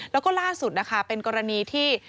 แล้วก็ล่าสุดนะคะเป็นกรณีที่